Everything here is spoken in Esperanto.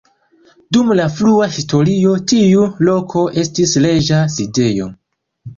Dum la frua historio tiu loko estis reĝa sidejo.